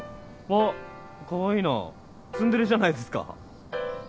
あっかわいいなツンデレじゃないですか。